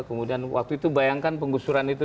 kemudian waktu itu bayangkan penggusuran itu